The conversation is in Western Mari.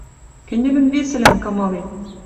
Кӹньӹлӹн весӹлӓн кымылет